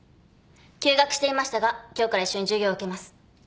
休学していましたが今日から一緒に授業を受けます。